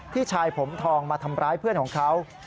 ชายผมทองมาทำร้ายเพื่อนของเขา